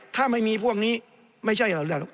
ถ้าไม่มีพวกนี้ไม่ใช่อะไรหรอก